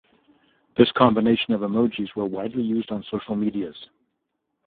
This combination of emojis were widely used on social medias.